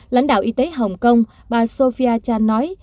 lãnh đạo y tế hồng kông bà sophia chan nói